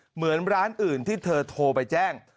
เหมือนร้านอื่นที่เธอโทรไปแจ้ง